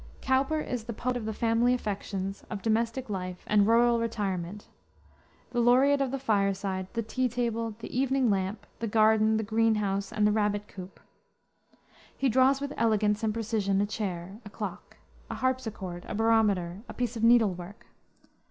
Cowper is the poet of the family affections, of domestic life, and rural retirement; the laureate of the fireside, the tea table, the evening lamp, the garden, the green house, and the rabbit coop. He draws with elegance and precision a chair, a clock, a harpsichord, a barometer, a piece of needle work.